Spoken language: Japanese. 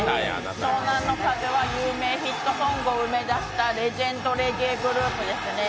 湘南乃風は有名ヒットソングを生み出してきたレジェンドレゲエグループですね。